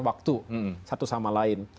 waktu satu sama lain